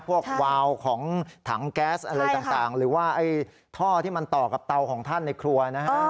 วาวของถังแก๊สอะไรต่างหรือว่าท่อที่มันต่อกับเตาของท่านในครัวนะฮะ